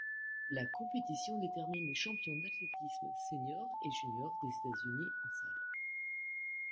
La compétition détermine les champions d'athlétisme séniors et juniors des États-Unis en salle.